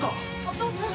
お父さん？